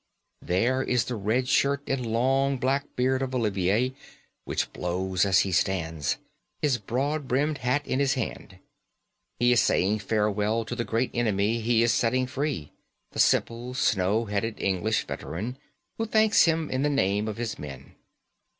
There is the red shirt and long black beard of Olivier, which blows as he stands, his broad brimmed hat in his hand. He is saying farewell to the great enemy he is setting free the simple, snow headed English veteran, who thanks him in the name of his men.